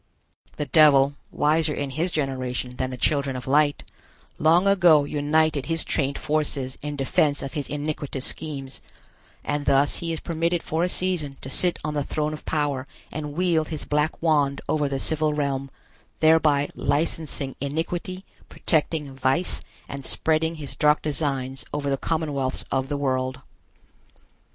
The Devil, wiser in his generation than the children of light, long ago united his trained forces in defense of his iniquitous schemes, and thus he is permitted for a season to sit on the throne of power and wield his black wand over the civil realm, thereby licensing iniquity, protecting vice, and spreading his dark designs over the commonwealths of the world.